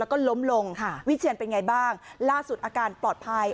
แล้วก็ล้มลงวิเชียนเป็นไงบ้างล่าสุดอาการปลอดภัย